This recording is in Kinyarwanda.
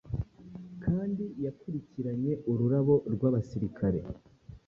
Kandi yakurikiranye ururabo rwabasirikare